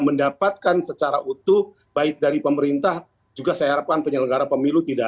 mendapatkan secara utuh baik dari pemerintah juga saya harapkan penyelenggara pemilu tidak